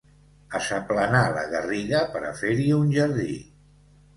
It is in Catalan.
Assaplanar la garriga per a fer-hi un jardí.